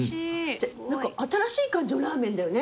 新しい感じのラーメンだよね。